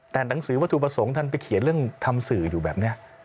แต่หนังสือวัตถุประสงค์ท่านไปเขียนเรื่องทำสื่ออยู่แบบนี้